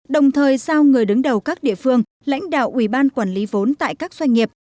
đồng thời sao người đứng đầu các địa phương lãnh đạo ủy ban quản lý vốn tại các doanh nghiệp